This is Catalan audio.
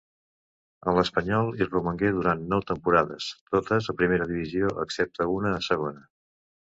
A l'Espanyol hi romangué durant nou temporades, totes a primera divisió, excepte una a Segona.